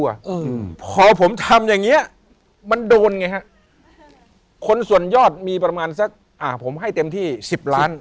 อืมพอผมทำอย่างเงี้ยมันโดนไงฮะคนส่วนยอดมีประมาณสักอ่าผมให้เต็มที่สิบล้าน